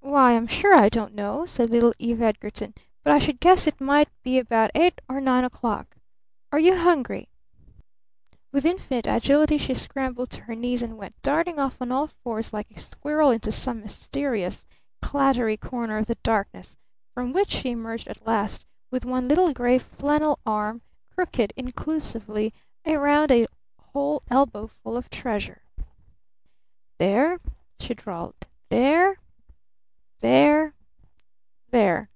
"Why, I'm sure I don't know," said little Eve Edgarton. "But I should guess it might be about eight or nine o'clock. Are you hungry?" With infinite agility she scrambled to her knees and went darting off on all fours like a squirrel into some mysterious, clattery corner of the darkness from which she emerged at last with one little gray flannel arm crooked inclusively around a whole elbowful of treasure. "There," she drawled. "There. There. There."